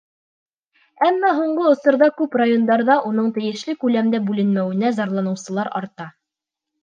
Әммә һуңғы осорҙа күп райондарҙа уның тейешле күләмдә бүленмәүенә зарланыусылар арта.